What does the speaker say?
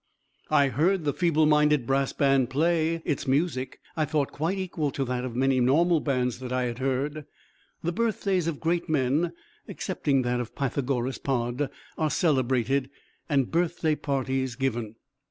I heard the Feeble Minded Brass Band play; its music I thought quite equal to that of many normal bands I had heard. The birthdays of great men (excepting that of Pythagoras Pod), are celebrated, and birthday parties given.